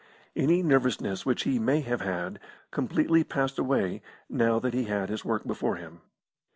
Any nervousness which he may have had completely passed away now that he had his work before him.